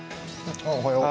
あおはよう。